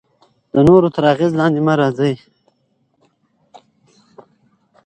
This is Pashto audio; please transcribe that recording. د نورو تر اغیز لاندې مه راځئ.